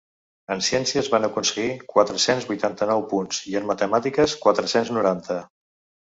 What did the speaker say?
En ciències van aconseguir quatre-cents vuitanta-nou punts i en matemàtiques quatre-cents noranta.